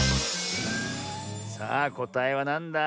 さあこたえはなんだ？